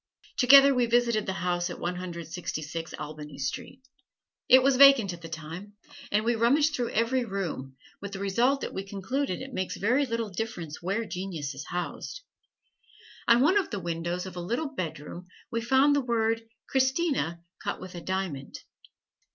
Together we visited the house at One Hundred Sixty six Albany Street. It was vacant at the time, and we rummaged through every room, with the result that we concluded it makes very little difference where genius is housed. On one of the windows of a little bedroom we found the word "Christina" cut with a diamond.